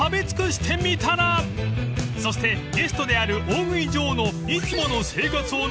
［そしてゲストである大食い女王のいつもの生活をのぞいてみました］